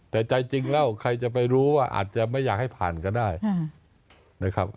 แต่ใจจริงแล้วใครจะไปรู้ว่าอาจจะไม่อยากให้ผ่านก็ได้นะครับ